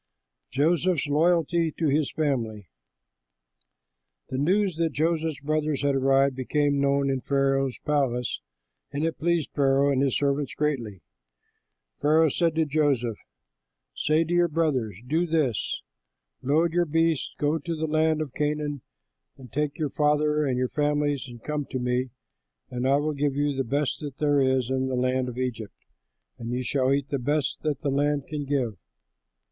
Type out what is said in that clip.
JOSEPH'S LOYALTY TO HIS FAMILY The news that Joseph's brothers had arrived became known in Pharaoh's palace; and it pleased Pharaoh and his servants greatly. Pharaoh said to Joseph, "Say to your brothers, 'Do this: load your beasts, go to the land of Canaan, and take your father and your families and come to me, and I will give you the best there is in the land of Egypt, and you shall eat the best that the land can give.